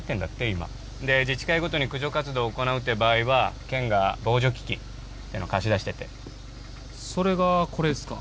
今で自治会ごとに駆除活動を行うっていう場合は県が防除機器ってのを貸し出しててそれがこれですか？